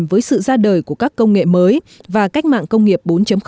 với sự ra đời của các công nghệ mới và cách mạng công nghiệp bốn